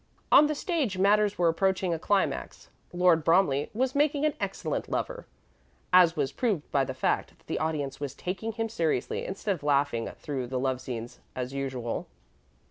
On the stage matters were approaching a climax. Lord Bromley was making an excellent lover, as was proved by the fact that the audience was taking him seriously instead of laughing through the love scenes as usual.